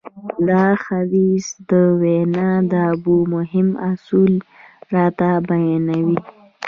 دا حديث د وينا د ادابو مهم اصول راته بيانوي.